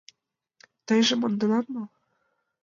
— Тыйже монденат мо?